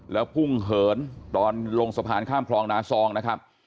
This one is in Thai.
แล้วพุ่งเหินตอนลงสะพานข้ามคลองนาซองนะครับ